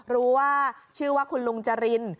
รู้ว่าชื่อว่าคุณลุงจริน